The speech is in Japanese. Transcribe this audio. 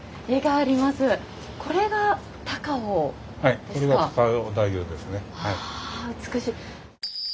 あ美しい。